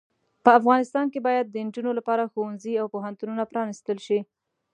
په افغانستان کې باید د انجونو لپاره ښوونځې او پوهنتونونه پرانستل شې.